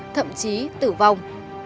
thậm chí tử vong